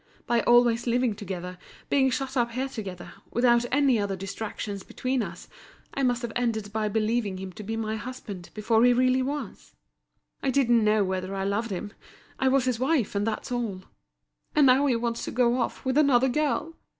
By always living together, being shut up here together, without any other distractions between us, I must have ended by believing him to be my husband before he really was. I didn't know whether I loved him. I was his wife, and that's all. And now he wants to go off with another girl!